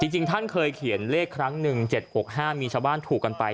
จริงท่านเคยเขียนเลขครั้งหนึ่ง๗๖๕มีชาวบ้านถูกกันไป